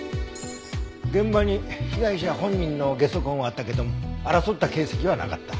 現場に被害者本人のゲソ痕はあったけど争った形跡はなかった。